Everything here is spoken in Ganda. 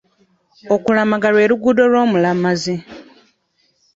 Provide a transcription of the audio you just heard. Okulamaga lwe lugendo lw'omulamazi.